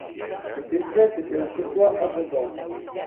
Cette espèce était autrefois abondante.